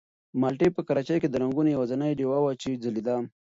مالټې په کراچۍ کې د رنګونو یوازینۍ ډېوه وه چې ځلېده.